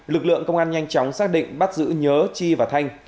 lực lượng công an nhanh chóng xác định bắt giữ nhớ chi và thanh